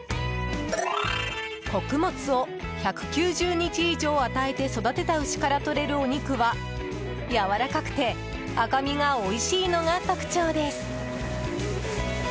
穀物を１９０日以上与えて育てた牛からとれるお肉はやわらかくて赤身がおいしいのが特徴です。